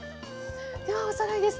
ではおさらいです。